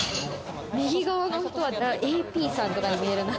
右側の人はＡＰさんくらいに見えるな。